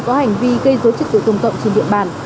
có hành vi gây dối trích tự tùng tộng trên địa bàn